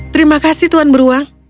terima kasih tuan beruang